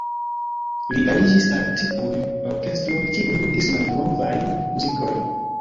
Li aliĝis al tiuj orkestroj, kiuj ludis malnovajn muzikojn.